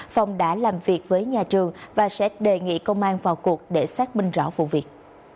phòng đã làm việc với nhà trường và sẽ đề nghị công an vào cuộc để xác minh rõ vụ việc